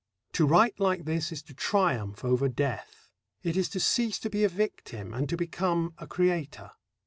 To write like this is to triumph over death. It is to cease to be a victim and to become a creator.